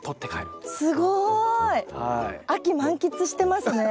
すごい！秋満喫してますね。